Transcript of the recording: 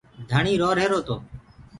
ڌڻيٚ روهيرو تو پڇي